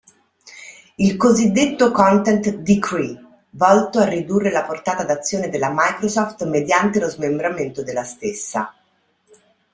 Il cosiddetto "Content Decree", volto a ridurre la portata d'azione della Microsoft mediante lo smembramento della stessa.